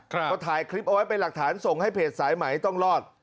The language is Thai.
ก็ถ่ายคลิปเอาไว้เป็นหลักฐานส่งให้เพจสายไหมต้องรอด